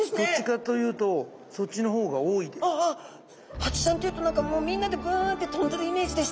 ハチちゃんというと何かもうみんなでブンって飛んでるイメージでした。